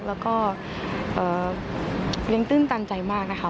แล้วก็เลี้ยงตื้นตันใจมากนะคะ